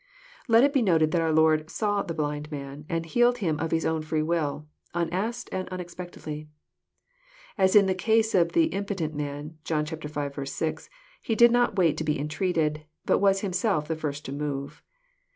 Let it be noted, that our Lord "saw" the blind man, and healed him of His own free will, unasked, and unexpectedly. As in the case of the impotent man, (John v. 6,) He did not wait to be entreated, but was Himself the first to move.